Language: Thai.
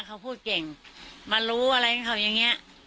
เขาพูดเก่งมารู้อะไรของเขาอย่างนี้